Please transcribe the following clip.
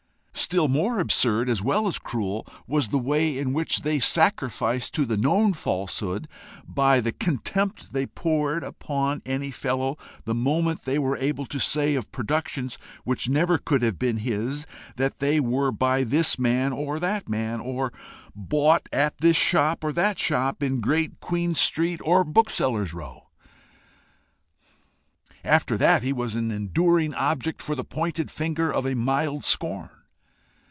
Still more absurd as well as cruel was the way in which they sacrificed to the known falsehood by the contempt they poured upon any fellow the moment they were able to say of productions which never could have been his, that they were by this man or that man, or bought at this shop or that shop in Great Queen Street or Booksellers' Row. After that he was an enduring object for the pointed finger of a mild scorn.